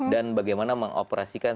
dan bagaimana mengoperasikan